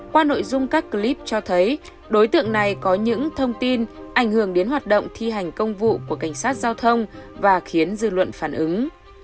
qua nội dung các clip cho thấy đối tượng này có những thông tin ảnh hưởng đến hoạt động thi hành công vụ của cảnh sát giao thông và khiến dư luận phản ứng